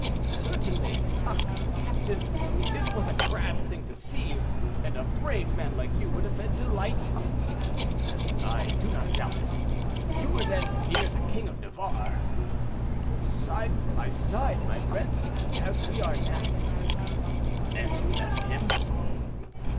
"Certainly. Ah! captain, it was a grand thing to see, and a brave man like you would have been delighted." "I do not doubt it. You were, then, near the king of Navarre?" "Side by side, my friend, as we are now." "And you left him?"